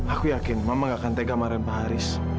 aku yakin mama gak akan tega marahin pak haris